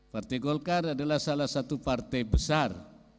partai golkar adalah salah satu partai besar